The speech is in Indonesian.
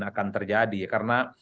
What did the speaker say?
akan terjadi karena